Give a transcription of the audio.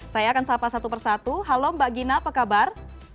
saya akan sapa satu persatu halo mbak gina apa kabar